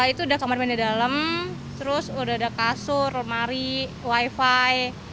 itu udah kamar mandi dalam terus udah ada kasur lemari wifi